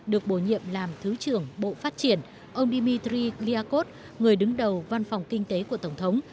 được bổ nhiệm làm thứ trưởng bộ phát triển ông dmitry cliakov người đứng đầu văn phòng kinh tế của tổng thống